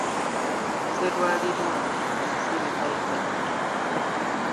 Sserwali lundi, omusibe tayita Jjimbo.